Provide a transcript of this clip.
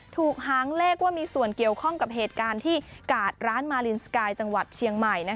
หางเลขว่ามีส่วนเกี่ยวข้องกับเหตุการณ์ที่กาดร้านมาลินสกายจังหวัดเชียงใหม่